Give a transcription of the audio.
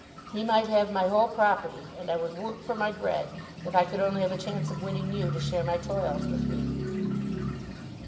He might have my whole property and I would work for my bread, if I could only have a chance of winning you to share my toils with me."